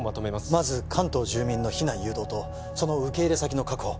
まず関東住民の避難誘導とその受け入れ先の確保